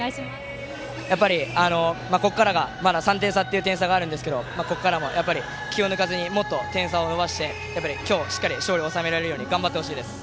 ３点差という点差はありますがここからも気を抜かずにもっと点差を伸ばして今日、しっかり勝利を収められるように頑張ってほしいです。